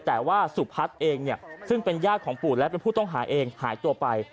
แต่ว่าสุพัฒน์เองเนี่ยซึ่งเป็นญาติของปู่และเป็นผู้ต้องหาเองหายตัวไป